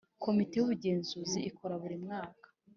Komite y Ubugenzuzi ikora buri mwaka